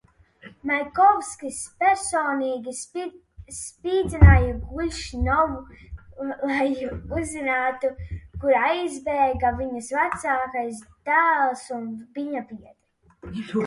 Maikovskis personīgi spīdzināja Glušņovu, lai uzzinātu, kur aizbēga viņas vecākais dēls un viņa biedri.